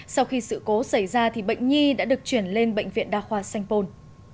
sau khi sự cố xảy ra thì bệnh nhi đã được chuyển lên bệnh viện đa khoa sanh pôn